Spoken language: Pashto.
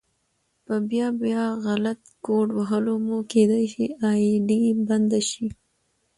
په بيا بيا غلط کوډ وهلو مو کيدی شي آئيډي بنده شي